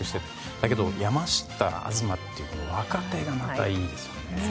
だけど山下、東という若手がいいですね。